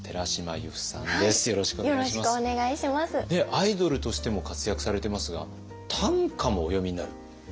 アイドルとしても活躍されてますが短歌もお詠みになる？